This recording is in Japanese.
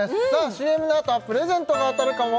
ＣＭのあとはプレゼントが当たるかも？